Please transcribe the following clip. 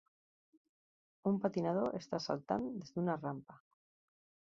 Un patinador està saltant des d'una rampa.